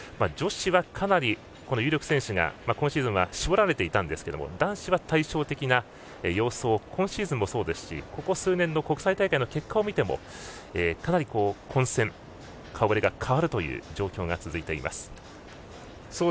女子はかなり有力選手が今シーズンは絞られていたんですが男子は対照的な様子を今シーズンもそうですしここ数年の国際大会の結果を見ても、かなり混戦顔ぶれが変わるという状況が続いています。